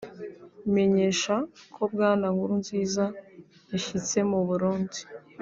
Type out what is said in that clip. bimenyesha ko bwana Nkurunziza yashitse mu Burundi